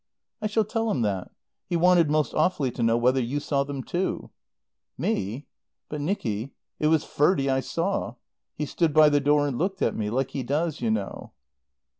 "I shall tell him that. He wanted most awfully to know whether you saw them too." "Me? But Nicky it was Ferdie I saw. He stood by the door and looked at me. Like he does, you know."